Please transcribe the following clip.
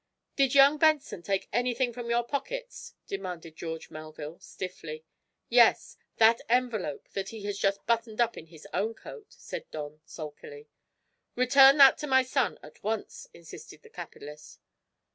"Did young Benson take anything from your pockets?" demanded George Melville, stiffly. "Yes, that envelope that he has just buttoned up in his own coat," said Don, sulkily. "Return that to my son, at once," insisted the capitalist.